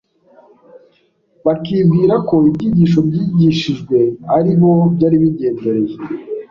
bakibwira ko ibyigisho byigishijwe ari bo byari bigendereye